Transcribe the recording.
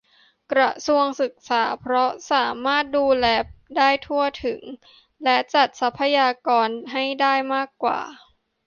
กระทรวงศึกษา เพราะสามารถดูแลได้ทั่วถึง และ จัดสรรทรัพยากรให้ได้มากกว่า